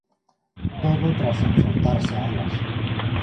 Todo tras enfrontarse a elas.